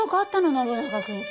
ノブナガ君。